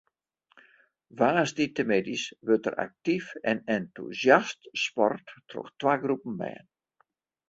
Woansdeitemiddeis wurdt der aktyf en entûsjast sport troch twa groepen bern.